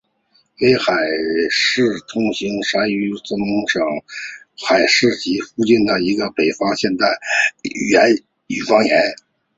威海话是通行于山东省威海市及其附近地区的一种北方现代汉语方言。